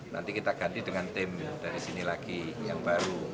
nanti kita ganti dengan tim dari sini lagi yang baru